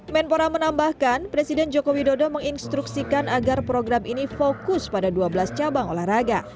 menpora menambahkan presiden joko widodo menginstruksikan agar program ini fokus pada dua belas cabang olahraga